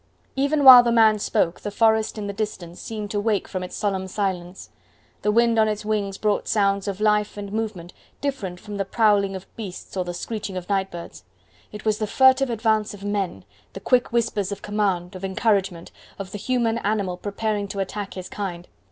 Even while the man spoke the forest in the distance seemed to wake from its solemn silence, the wind on its wings brought sounds of life and movement different from the prowling of beasts or the screeching of night birds. It was the furtive advance of men, the quick whispers of command, of encouragement, of the human animal preparing to attack his kind.